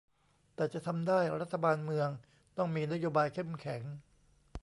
แต่จะทำได้ รัฐบาลเมืองต้องมีนโยบายเข้มแข็ง